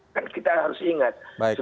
kan kita harus ingat